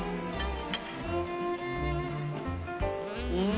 うん！